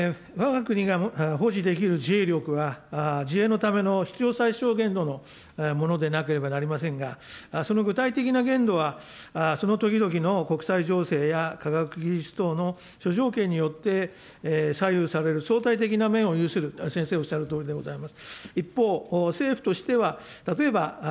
防衛大臣、わが国が保持できる自衛力は、自衛のための必要最小限度のものでなければなりませんが、その具体的な限度は、その時々の国際情勢や科学技術等の諸条件によって左右される相対的な面を有する、先生おっしゃるとおりであります。